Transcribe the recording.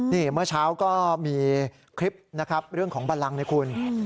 นี่เมื่อเช้าก็มีคลิปนะครับเรื่องของบันลังนะคุณ